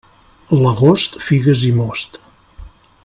L'agost, figues i most.